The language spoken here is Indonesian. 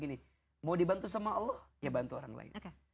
jadi mau dibantu sama allah ya bantu orang lain